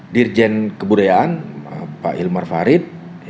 dirjen kebudayaan pak hilmar farid